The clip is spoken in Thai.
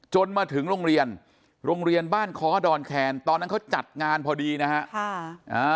จนมาถึงโรงเรียนโรงเรียนบ้านค้อดอนแคนตอนนั้นเขาจัดงานพอดีนะฮะ